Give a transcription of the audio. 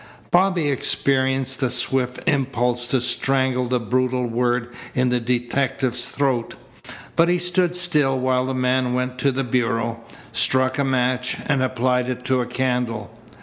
Bobby experienced a swift impulse to strangle the brutal word in the detective's throat. But he stood still while the man went to the bureau, struck a match, and applied it to a candle.